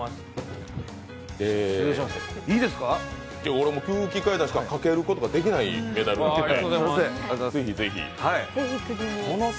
これはもう空気階段しかかけることができないメダルなので。